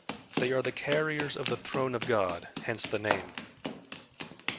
They are the carriers of the Throne of God, hence the name.